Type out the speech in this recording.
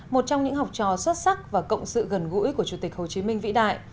một trong những học trò xuất sắc và cộng sự gần gũi của chủ tịch hồ chí minh vĩ đại